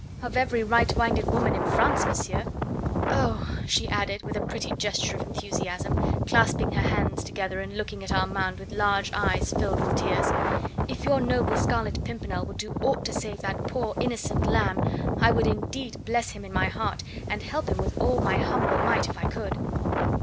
"Of every right minded woman in France, monsieur. Oh!" she added with a pretty gesture of enthusiasm, clasping her hands together, and looking at Armand with large eyes filled with tears, "if your noble Scarlet Pimpernel will do aught to save that poor innocent lamb, I would indeed bless him in my heart, and help him with all my humble might if I could."